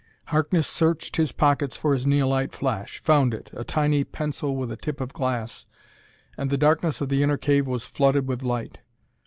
Harkness searched his pockets for his neolite flash; found it a tiny pencil with a tip of glass and the darkness of the inner cave was flooded with light.